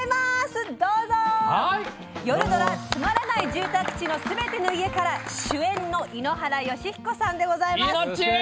夜ドラ「つまらない住宅地のすべての家」から主演の井ノ原快彦さんです。